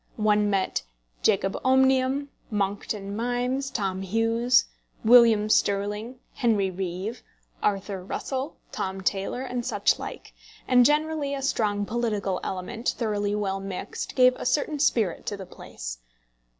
One met Jacob Omnium, Monckton Milnes, Tom Hughes, William Stirling, Henry Reeve, Arthur Russell, Tom Taylor, and such like; and generally a strong political element, thoroughly well mixed, gave a certain spirit to the place.